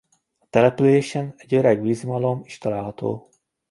A településen egy öreg vízimalom is található.